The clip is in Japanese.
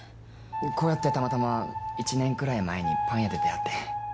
こうやってたまたま１年くらい前にパン屋で出会って。